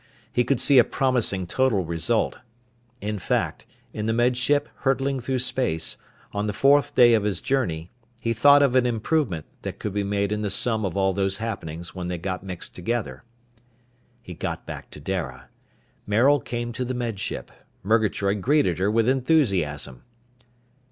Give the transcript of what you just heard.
He could see a promising total result. In fact, in the Med Ship hurtling through space, on the fourth day of his journey, he thought of an improvement that could be made in the sum of all those happenings when they got mixed together. He got back to Dara. Maril came to the Med Ship. Murgatroyd greeted her with enthusiasm.